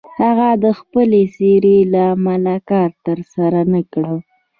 هغه د خپلې څېرې له امله کار تر لاسه نه کړ.